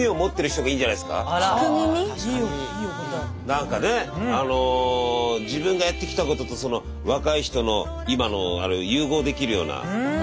何かねあの自分がやってきたこととその若い人の今のあれを融合できるような。